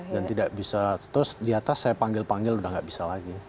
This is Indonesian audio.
dan tidak bisa terus di atas saya panggil panggil sudah tidak bisa lagi